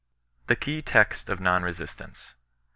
THE K£Y TEXT OF NON RESISTANCE.